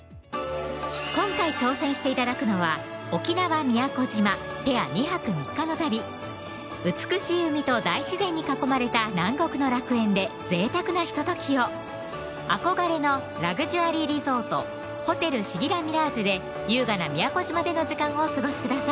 今回挑戦して頂くのは沖縄・宮古島ペア２泊３日の旅美しい海と大自然に囲まれた南国の楽園でぜいたくなひとときを憧れのラグジュアリーリゾート・ホテルシギラミラージュで優雅な宮古島での時間をお過ごしください